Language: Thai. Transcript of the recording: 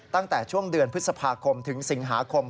ตั้งแต่ช่วงเดือนพฤษภาคมถึงสิงหาคม